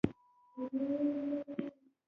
غرمه د کورنیو پیوستون وده کوي